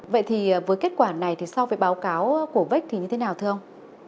vậy thì với kết quả này thì so với báo cáo của vik thì như thế nào thưa ông